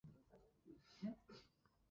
北海道真狩村